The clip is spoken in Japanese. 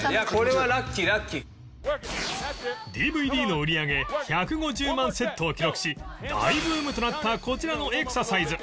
ＤＶＤ の売り上げ１５０万セットを記録し大ブームとなったこちらのエクササイズ